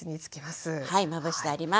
はいまぶしてあります。